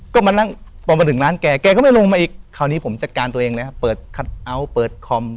คราวนี้ผมจัดการตัวเองเลยครับเปิดคัทเอาท์เปิดคอม